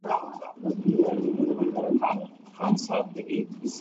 وہ اس سے مختلف ہوتا ہے جو